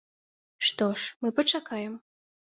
Што ж, мы пачакаем.